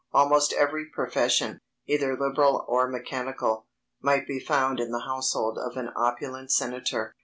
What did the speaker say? Almost every profession, either liberal or mechanical, might be found in the household of an opulent senator.